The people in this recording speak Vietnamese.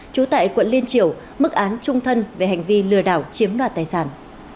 trú tại quận liên triều mức án trung thân về hành vi lừa đảo chiếm đoạt tài sản